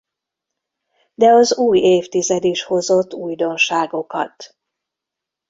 De az új évtized is hozott újdonságokat.